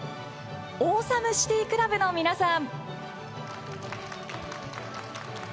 オーサムシティークラブの皆さん。